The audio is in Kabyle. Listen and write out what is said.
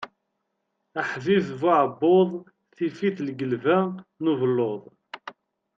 Aḥbib bu uɛebbuḍ, tif-it lgelba n ubellud.